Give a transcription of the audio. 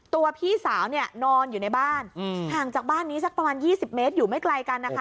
พี่สาวเนี่ยนอนอยู่ในบ้านห่างจากบ้านนี้สักประมาณ๒๐เมตรอยู่ไม่ไกลกันนะคะ